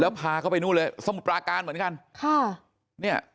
แล้วพาเขาไปนู้นเลยสมุทรปราการเหมือนกัน